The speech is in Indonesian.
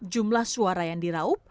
jumlah suara yang diraup